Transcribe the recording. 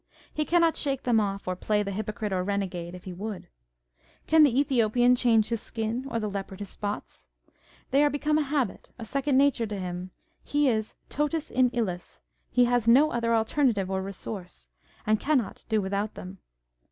He cannot shake them off, or play the hypocrite or renegade, if he would. " Can the Ethiopian change his skin, or the leopard his spots?" They are become a habit, a second nature to him. He is Mm in illis : he has no other alternative or resource, and cannot do without them.